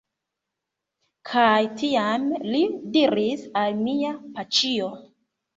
Kaj tiam li diris al mia paĉjo: